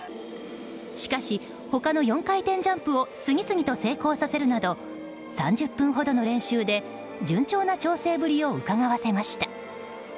しかし、他の４回転ジャンプを次々と成功させるなど３０分ほどの練習で順調な調整ぶりをうかがわせました。